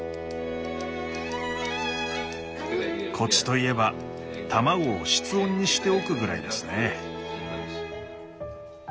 コツといえば卵を室温にしておくぐらいですね。